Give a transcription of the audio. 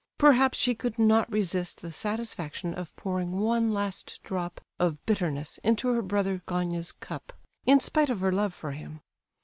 Perhaps she could not resist the satisfaction of pouring one last drop of bitterness into her brother Gania's cup, in spite of her love for him.